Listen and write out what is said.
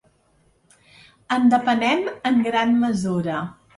En depenem en gran mesura.